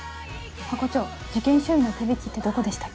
ハコ長事件処理の手引ってどこでしたっけ？